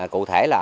cụ thể là